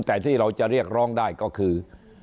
แต่ที่เราจะเรียกร้องได้ก็คือ